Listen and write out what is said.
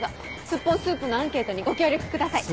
スッポンスープのアンケートにご協力ください。